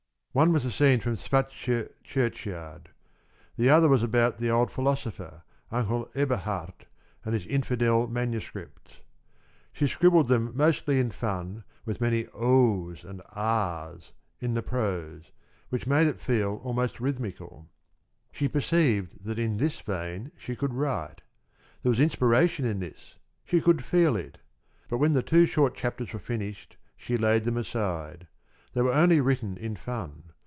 One was a scene from Svartsjö churchyard; the other was about the old philosopher, Uncle Eberhard, and his infidel manuscripts. She scribbled them mostly in fun, with many ohs and ahs in the prose, which made it almost rhythmical. She perceived that in this vein she could write. There was inspiration in this she could feel it. But when the two short chapters were finished, she laid them aside. They were only written in fun.